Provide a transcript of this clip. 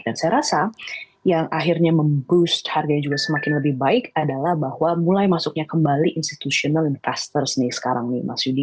dan saya rasa yang akhirnya memboost harganya juga semakin lebih baik adalah bahwa mulai masuknya kembali institutional investors nih sekarang nih mas yudi